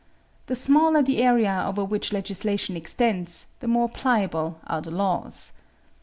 The smaller the area over which legislation extends, the more pliable are the laws.